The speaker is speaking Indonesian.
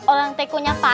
orang tekonya pas